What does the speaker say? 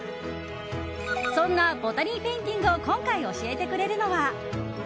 そんなボタニーペインティングを今回、教えてくれるのは。